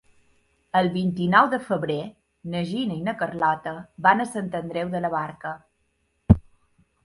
El vint-i-nou de febrer na Gina i na Carlota van a Sant Andreu de la Barca.